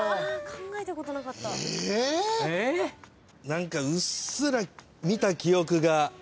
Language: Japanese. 何かうっすら見た記憶が。